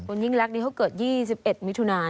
คนยิ่งลักษณ์นี้เขาเกิด๒๑มิถุนานะ